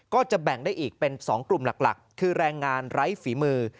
ก็จะแบ่งได้อีกเป็น๒กลุ่มหลักคือแรงงานไร้ฝีมือ